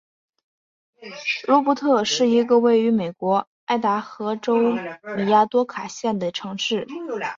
鲁珀特是一个位于美国爱达荷州米尼多卡县的城市。